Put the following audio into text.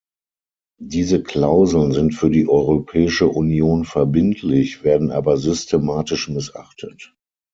Diese Klauseln sind für die Europäische Union verbindlich, werden aber systematisch missachtet.